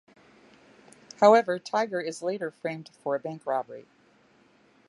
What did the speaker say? However, Tiger is later framed for a bank robbery.